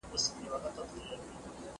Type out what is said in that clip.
زه به سبا سبزیجات تيار کړم